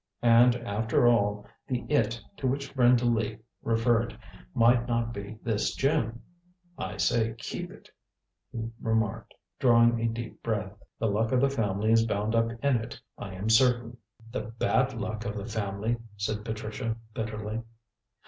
And, after all, the "It" to which Brenda Lee referred might not be this gem. "I say keep it," he remarked, drawing a deep breath. "The luck of the family is bound up in it, I am certain." "The bad luck of the family," said Patricia bitterly.